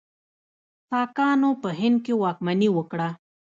ساکانو په هند کې واکمني وکړه.